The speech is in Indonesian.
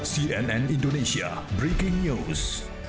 cnn indonesia breaking news